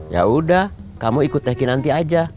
yaudah kamu ikut teki nanti aja